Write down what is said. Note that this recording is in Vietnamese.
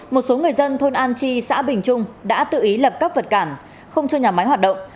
một số người dân thôn an chi xã bình trung đã tự ý lập các vật cản không cho nhà máy hoạt động